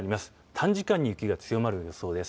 短時間に雪が強まる予想です。